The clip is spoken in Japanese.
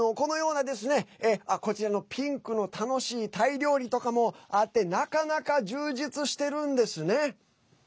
こちらのピンクの楽しいタイ料理とかもあってなかなか充実してるんですね。